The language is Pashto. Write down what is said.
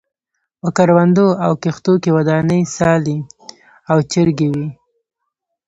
په کروندو او کښتو کې ودانې څالې او چرګۍ وې.